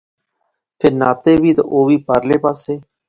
فیر ناطے وہے تہ او وی پارلے پاسے